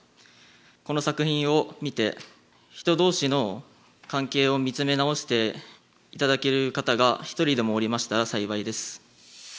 この作品を見て人同士の関係を見つめ直していただける方が一人でもおりましたら幸いです。